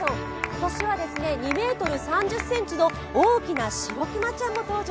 今年は２ｍ３０ｃｍの大きなシロクマちゃんも登場。